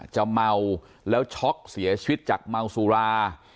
เมาแล้วช็อกเสียชีวิตจากเมาสุรา